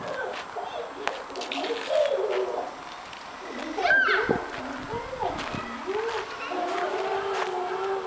ぬいたらどうなるかわからないんだよ！？